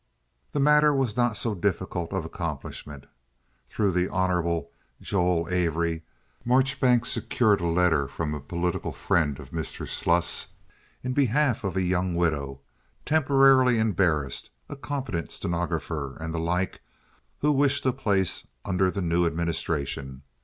The matter was not so difficult of accomplishment. Through the Hon. Joel Avery, Marchbanks secured a letter from a political friend of Mr. Sluss in behalf of a young widow—temporarily embarrassed, a competent stenographer, and the like—who wished a place under the new administration.